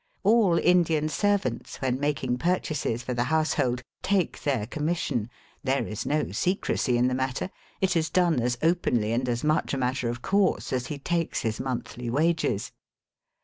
All Indian servants when making purchases for the house hold take their commission. There is no secrecy in the matter. It is done as openly and as much a matter of course as he takes his monthly wages.